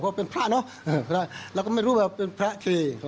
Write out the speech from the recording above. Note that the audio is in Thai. ผมเป็นพระเนอะแล้วก็ไม่รู้ว่าเป็นพระเท